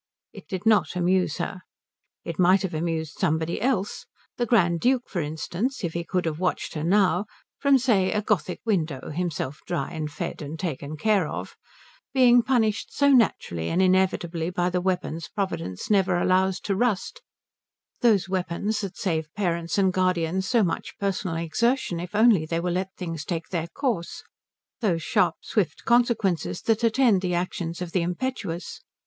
It did not amuse her. It might have amused somebody else, the Grand Duke, for instance, if he could have watched her now (from, say, a Gothic window, himself dry and fed and taken care of), being punished so naturally and inevitably by the weapons Providence never allows to rust, those weapons that save parents and guardians so much personal exertion if only they will let things take their course, those sharp, swift consequences that attend the actions of the impetuous.